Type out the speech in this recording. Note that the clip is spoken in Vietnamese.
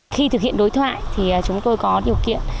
khi thực hiện đối thoại thì chúng tôi có điều kiện